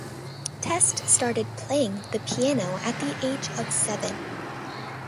Test started playing the piano at the age of seven.